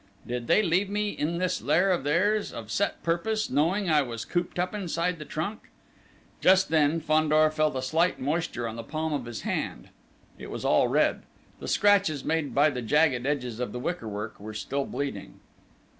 Did they leave me in this lair of theirs of set purpose, knowing I was cooped up inside the trunk?" Just then, Fandor felt a slight moisture on the palm of his hand: it was all red: the scratches, made by the jagged edges of the wickerwork, were still bleeding.